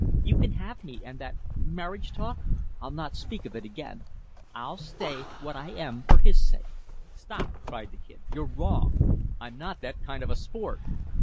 You can have me and that marriage talk I'll not speak of again. I'll stay what I am for his sake." "Stop!" cried the Kid. "You're wrong. I'm not that kind of a sport."